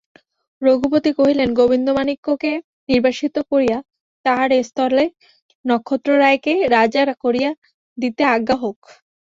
রঘুপতি কহিলেন, গোবিন্দমাণিক্যকে নির্বাসিত করিয়া তাঁহার স্থলে নক্ষত্ররায়কে রাজা করিয়া দিতে আজ্ঞা হউক।